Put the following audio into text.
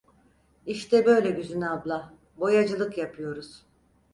İşte böyle Güzin abla, boyacılık yapıyoruz!